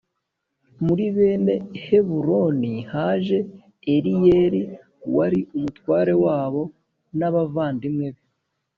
Muri bene Heburoni haje Eliyeli wari umutware wabo n abavandimwe be